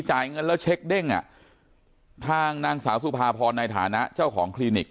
จ่ายเงินแล้วเช็คเด้งอ่ะทางนางสาวสุภาพรในฐานะเจ้าของคลินิก